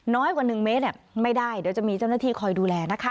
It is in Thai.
น้อยกว่าหนึ่งเมตรเนี่ยไม่ได้เดี๋ยวจะมีเจ้าหน้าที่คอยดูแลนะคะ